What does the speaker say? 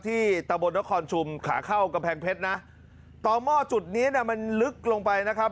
ที่ตะบดและคอนชุมขาเข้ากระแพงเพชรนะต่อหม้อจุดนี้เนี่ยมันลึกลงไปนะครับ